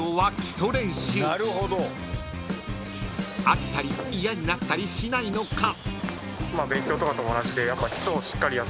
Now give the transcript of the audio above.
［飽きたり嫌になったりしないのか？］